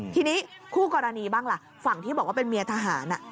ทีนี้คู่กรณีบ้างล่ะฝั่งที่บอกว่าเป็นเมียทหาร